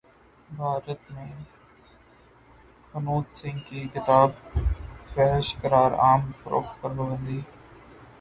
بھارت میں خشونت سنگھ کی کتاب فحش قرار عام فروخت پر پابندی